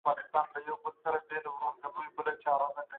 په شمله کې خطي نسخې په ډېر دقت سره کتل کیږي.